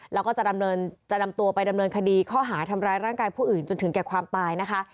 แล้วก็จะนำตัวไปดำเนินคดีข้อหาทำร้ายร่างกายผู้อื่นจนถึงแก่ความตายนะคะ